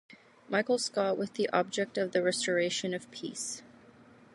Michael Scott with the object of the restoration of peace.